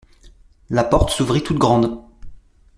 La porte s'ouvrit toute grande.